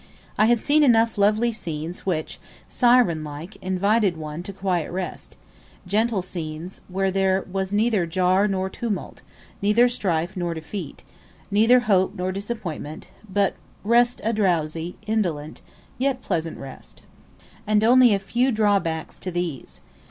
I had seen enough lovely scenes which, siren like, invited one to quiet rest; gentle scenes, where there was neither jar nor tumult, neither strife nor defeat, neither hope nor disappointment, but rest a drowsy, indolent, yet pleasant rest. And only a few drawbacks to these.